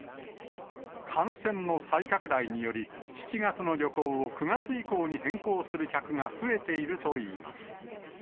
感染の再拡大により、７月の旅行を９月以降に変更する客が増えているといいます。